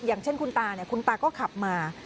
อย่างเช่นคุณตาคุณตาก็ขับมา